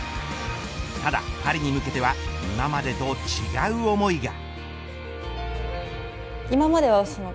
ただ、パリに向けては今までと違う思いが。